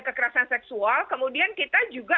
kekerasan seksual kemudian kita juga